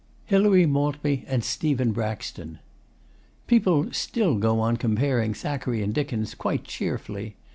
HILARY MALTBY AND STEPHEN BRAXTON People still go on comparing Thackeray and Dickens, quite cheerfully.